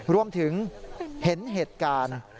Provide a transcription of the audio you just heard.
รวมถึงเห็นเหตุการณ์